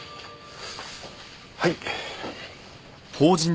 はい。